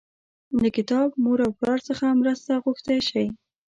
له کتاب، مور او پلار څخه مرسته غوښتی شئ.